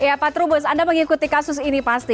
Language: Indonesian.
iya pak terubus anda mengikuti kasus ini pasti